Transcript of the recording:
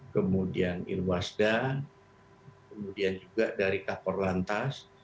kemudian irwasda kemudian juga dari kakor lantas